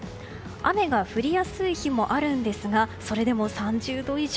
雨が降りやすい日もあるんですがそれでも３０度以上。